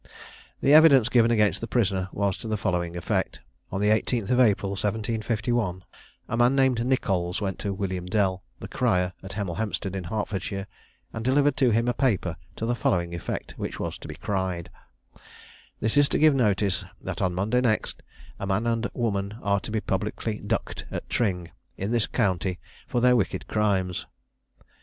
The evidence given against the prisoner was to the following effect: On the 18th April, 1751, a man named Nichols went to William Dell, the crier at Hemel Hempstead, in Hertfordshire, and delivered to him a paper to the following effect, which was to be cried: "This is to give notice, that on Monday next, a man and woman are to be publicly ducked at Tring, in this county, for their wicked crimes."